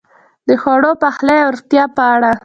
د خوړو، پخلی او روغتیا په اړه: